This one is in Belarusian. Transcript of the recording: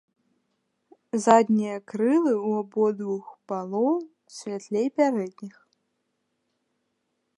Заднія крылы ў абодвух палоў святлей пярэдніх.